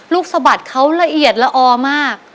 สะบัดเขาละเอียดละออมาก